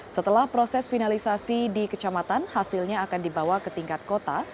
setelah proses finalisasi di kecamatan hasilnya akan dibawa ke tingkat kota